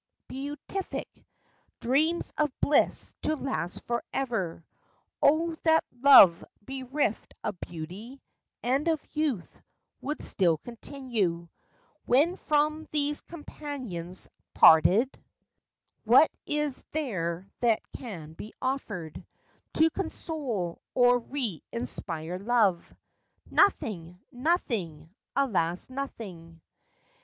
beatific! Dreams of bliss to last forever ! O, that love bereft of beauty, And of youth, would still continue ! When from these companions parted, 38 FACTS AND FANCIES. What is there that can be offered To console, or re inspire love ? Nothing! nothing! alas, nothing!